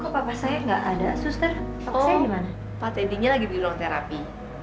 kok papa saya enggak ada suster oh pak teddy lagi bilang terapi